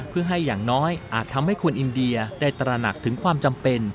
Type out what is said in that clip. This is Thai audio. เพื่อให้อย่างน้อยอาจทำให้คนอินเดียได้ตระหนักถึงความจำเป็น